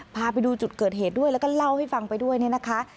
พาไปดูจุดเกิดเหตุด้วยแล้วก็เล่าให้ฟังไปด้วยเนี่ยนะคะ